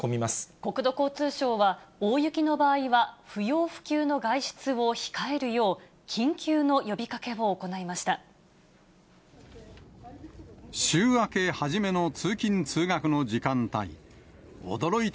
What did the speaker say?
国土交通省は大雪の場合は不要不急の外出を控えるよう、緊急の呼びかけを行いました。